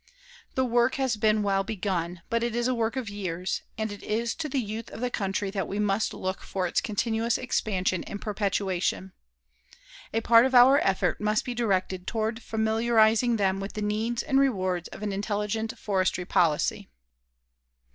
The work has been well begun, but it is a work of years, and it is to the youth of the country that we must look for its continuous expansion and perpetuation. A part of our effort must be directed toward familiarizing them with the needs and rewards of an intelligent forestry policy.